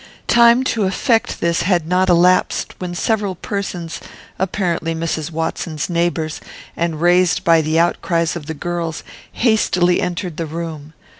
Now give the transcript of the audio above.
Time to effect this had not elapsed, when several persons, apparently Mrs. Watson's neighbours, and raised by the outcries of the girls, hastily entered the room.